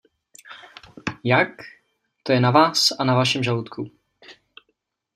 Jak? – to je na Vás a na Vašem žaludku.